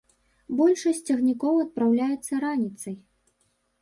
Большасць цягнікоў адпраўляецца раніцай.